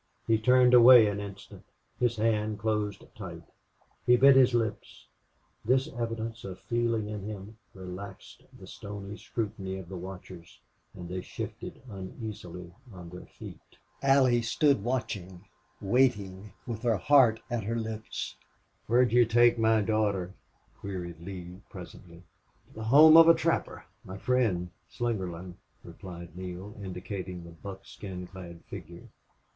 He turned away an instant: his hand closed tight; he bit his lips. This evidence of feeling in him relaxed the stony scrutiny of the watchers, and they shifted uneasily on their feet. Allie stood watching waiting, with her heart at her lips. "Where did you take my daughter?" queried Lee, presently. "To the home of a trapper. My friend Slingerland," replied Neale, indicating the buckskin clad figure.